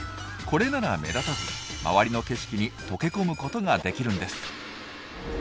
これなら目立たず周りの景色に溶け込むことができるんです。